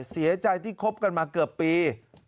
เสียใจที่คบกันมาเกือบปี